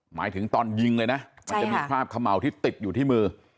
หมายถึงตอนยิงเลยนะมันจะมีคราบเขม่าที่ติดอยู่ที่มือ